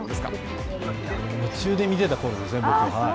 夢中で見てたころですね